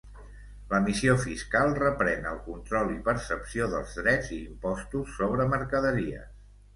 La missió fiscal reprèn el control i percepció dels drets i impostos sobre mercaderies.